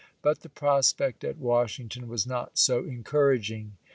But the prospect at Washing ton was not so encouraging.